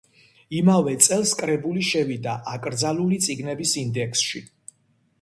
იმავე წელს კრებული შევიდა აკრძალული წიგნების ინდექსში.